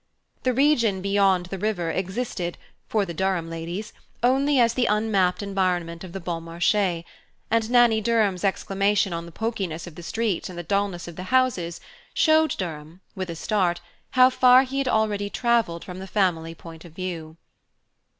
The region beyond the river existed, for the Durham ladies, only as the unmapped environment of the Bon Marche; and Nannie Durham's exclamation on the pokiness of the streets and the dulness of the houses showed Durham, with a start, how far he had already travelled from the family point of view.